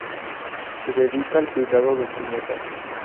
Se dedica al cuidado de su nieta.